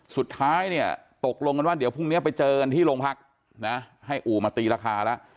สุดท้ายเนี่ยตกลงกันว่าเดี๋ยวพรุ่งนี้ไปเจอกันที่โรงพักนะให้อู่มาตีราคาแล้ว